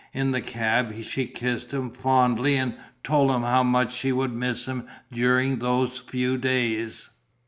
In the cab she kissed him fondly and told him how much she would miss him during those few days.